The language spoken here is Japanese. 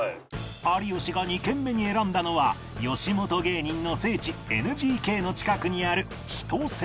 有吉が２軒目に選んだのは吉本芸人の聖地 ＮＧＫ の近くにある千とせ